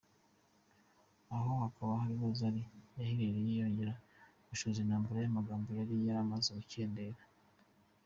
Aho hakaba ariho Zari yahereye yongera gushoza intambara y’amagambo yari yaramaze gukendera.